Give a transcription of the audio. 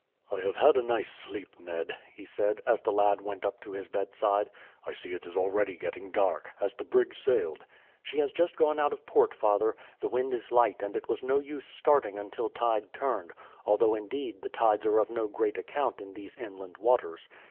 "I have had a nice sleep, Ned," he said, as the lad went up to his bedside. "I see it is already getting dark. Has the brig sailed?" "She has just gone out of port, father. The wind is light and it was no use starting until tide turned; although, indeed, the tides are of no great account in these inland waters.